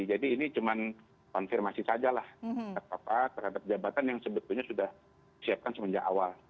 jadi ini cuma konfirmasi saja lah terhadap jabatan yang sebetulnya sudah disiapkan semenjak awal